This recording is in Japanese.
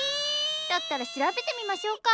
だったら調べてみましょうか。